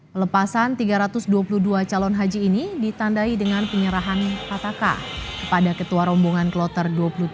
pelepasan tiga ratus dua puluh dua calon haji ini ditandai dengan penyerahan pataka kepada ketua rombongan kloter dua puluh tujuh